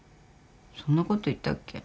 そんなこと言ったっけ？